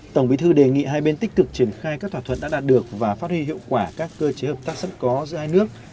tổng bí thư đề nghị hai bên tích cực triển khai các thỏa thuận đã đạt được và phát huy hiệu quả các cơ chế hợp tác sẵn có giữa hai nước